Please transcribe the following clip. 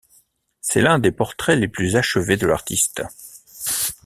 C’est l'un des portraits les plus achevés de l’artiste.